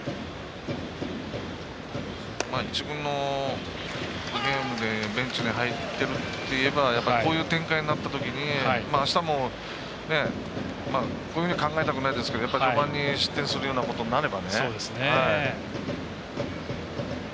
１軍のゲームでベンチに入っているっていえばやっぱりこういう展開になったときにあしたもこういうふうには考えたくないですけど序盤に失点するようなことがあれば。